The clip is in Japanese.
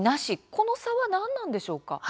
この差は何なんでしょうか。